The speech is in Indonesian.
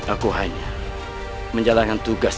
aku hanya menjalankan tugas